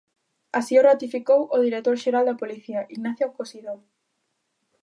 Así o ratificou o director xeral da Policía, Ignacio Cosidó.